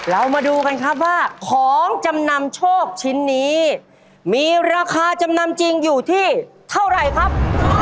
เรามาดูกันครับว่าของจำนำโชคชิ้นนี้มีราคาจำนำจริงอยู่ที่เท่าไหร่ครับ